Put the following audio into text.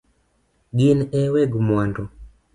Gin e weg mwandu